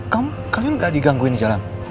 kamu kalian gak digangguin jalan